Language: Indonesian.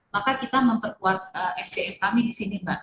maka kita memperkuat sdm kami di sini mbak